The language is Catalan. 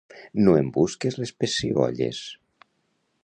No em busquis les pessigolles